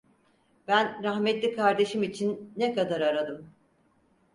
Ben rahmetli kardeşim için ne kadar aradım.